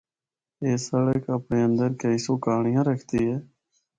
اے سڑک اپنڑے اندر کئی سو کہانڑیاں رکھدی ہے۔